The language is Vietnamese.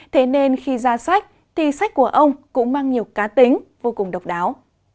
thế nên khi ra sách thì sách của ông cũng mang nhiều cá tính vô cùng độc đáo